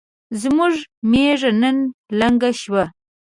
زموږ ميږ نن لنګه شوه